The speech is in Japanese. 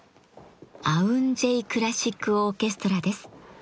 アウン・ジェイ・クラシック・オーケストラです。